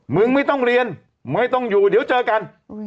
มึงไม่ต้องเรียนไม่ต้องอยู่เดี๋ยวเจอกัน